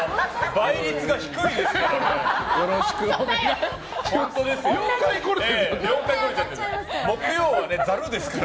倍率が低いですから。